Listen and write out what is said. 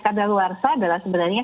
keadaan luar sahab adalah sebenarnya